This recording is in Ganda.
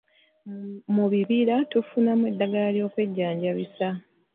Mu bibira tufunamu eddagala lyokwejjanjabisa.